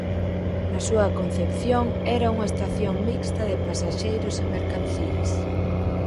Na súa concepción era unha estación mixta de pasaxeiros e mercancías.